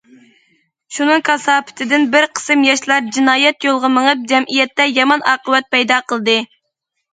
شۇنىڭ كاساپىتىدىن بىر قىسىم ياشلار جىنايەت يولغا مېڭىپ، جەمئىيەتتە يامان ئاقىۋەت پەيدا قىلدى.